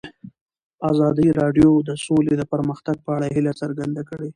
ازادي راډیو د سوله د پرمختګ په اړه هیله څرګنده کړې.